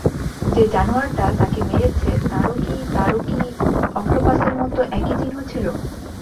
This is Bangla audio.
যে জানোয়ারটা তাকে মেরেছে, তারও কি তারও কি অক্টোপাসের মতো একই চিহ্ন ছিল?